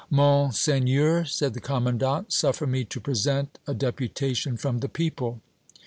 "Monseigneur," said the commandant, "suffer me to present a deputation from the people."